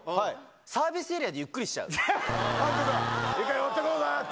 サービスエリアでゆっくりし一回寄ってこうぜって。